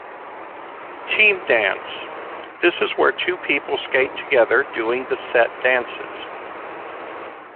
Team Dance; this is where two people skate together doing the set dances.